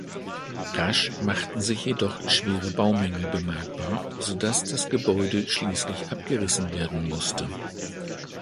Rasch machten sich jedoch schwere Baumängel bemerkbar, sodass das Gebäude schließlich abgerissen werden musste.